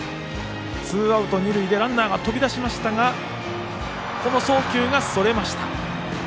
ツーアウト二塁でランナーが飛び出しましたが送球がそれました。